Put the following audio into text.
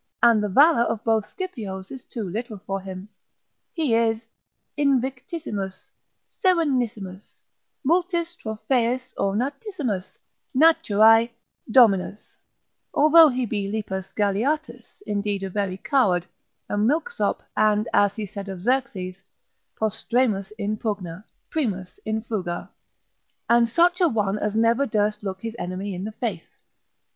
and the valour of both Scipios is too little for him, he is invictissimus, serenissimus, multis trophaeus ornatissimus, naturae, dominus, although he be lepus galeatus, indeed a very coward, a milk sop, and as he said of Xerxes, postremus in pugna, primus in fuga, and such a one as never durst look his enemy in the face.